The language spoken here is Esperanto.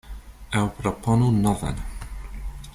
Aŭ proponu novan.